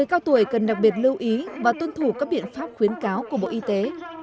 chỉ cần đặc biệt lưu ý và tuân thủ các biện pháp khuyến cáo của bộ y tế